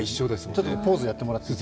ちょっとポーズやってもらっていい？